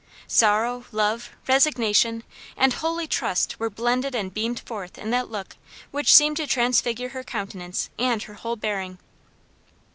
Sorrow, love, resignation, and holy trust were blended and beamed forth in that look which seemed to transfigure her countenance and her whole bearing.